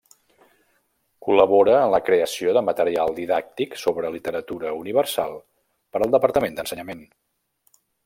Col·labora en la creació de material didàctic sobre literatura universal per al Departament d'Ensenyament.